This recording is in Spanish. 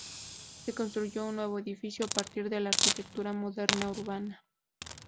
Se construyó un nuevo edificio a partir de la arquitectura moderna urbana.